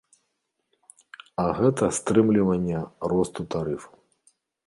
А гэта стрымліванне росту тарыфаў!